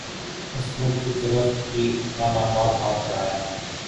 عصمت کی طرف بھی اپنا ناپاک ہاتھ بڑھایا